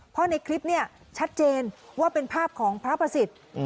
เพราะในคลิปเนี่ยชัดเจนว่าเป็นภาพของพระประสิทธิ์